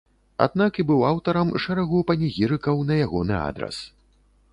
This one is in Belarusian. Аднак і быў аўтарам шэрагу панегірыкаў на ягоны адрас.